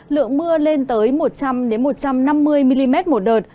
lượng mưa lên tới một trăm linh một trăm năm mươi mm một đợt